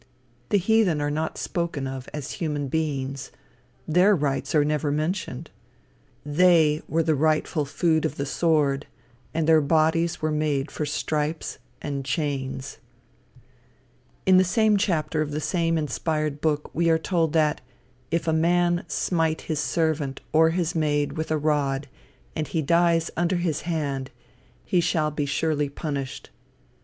The heathen are not spoken of as human beings. Their rights are never mentioned. They were the rightful food of the sword, and their bodies were made for stripes and chains. In the same chapter of the same inspired book, we are told that, "if a man smite his servant, or his maid, with a rod, and he dies under his hand, he shall be surely punished.